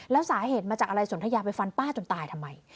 แล้วสาเหตุมาจากอะไรสนทยาไปฟันป้าจนตายทำไม